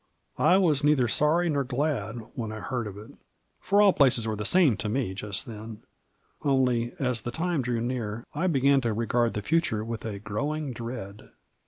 I was neither sorry nor glad when I heard of it, for all places were the same to me just then ; only, as the time drew near, I began to regard the future with a growing dread.